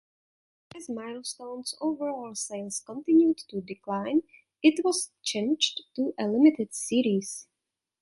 As Milestone's overall sales continued to decline, it was changed to a limited series.